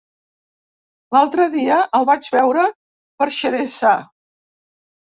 L'altre dia el vaig veure per Xeresa.